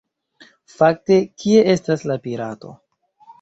Fakte, kie estas la pirato?